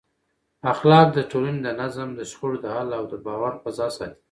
اخلاق د ټولنې د نظم، د شخړو د حل او د باور فضا ساتي.